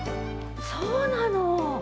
そうなの。